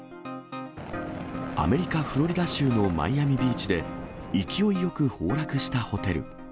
アメリカ・フロリダ州のマイアミビーチで、勢いよく崩落したホテル。